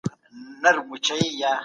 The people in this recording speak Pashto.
زمری پرون ډېر بوخت وو.